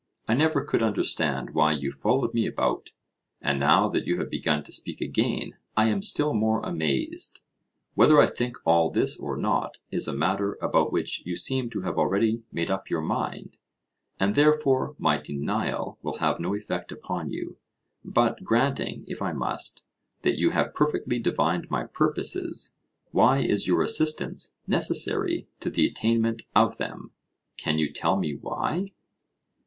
I never could understand why you followed me about, and now that you have begun to speak again, I am still more amazed. Whether I think all this or not, is a matter about which you seem to have already made up your mind, and therefore my denial will have no effect upon you. But granting, if I must, that you have perfectly divined my purposes, why is your assistance necessary to the attainment of them? Can you tell me why?